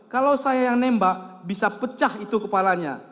kalau saya yang nembak bisa pecah itu kepalanya